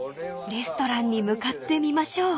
レストランに向かってみましょう］